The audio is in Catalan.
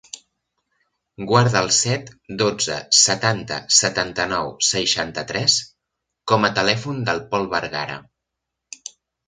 Guarda el set, dotze, setanta, setanta-nou, seixanta-tres com a telèfon del Pol Vegara.